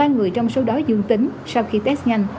ba người trong số đó dương tính sau khi test nhanh